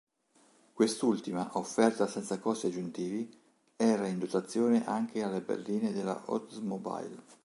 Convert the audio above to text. Quest'ultima, offerta senza costi aggiuntivi, era in dotazione anche alle berline della Oldsmobile.